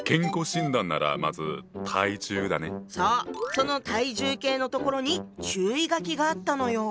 その体重計のところに注意書きがあったのよ。